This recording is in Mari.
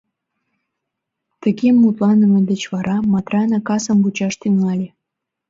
Тыге мутланыме деч вара Матрана касым вучаш тӱҥале.